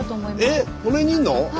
えっこの辺にいんの？